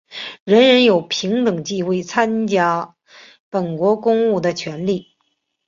人人有平等机会参加本国公务的权利。